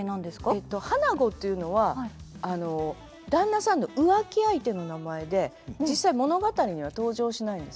花子というのは旦那さんの浮気相手の名前で実際物語には登場しないんです。